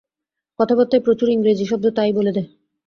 কথাবার্তায় প্রচুর ইংরেজি শব্দ-তা-ই বলে দেয়।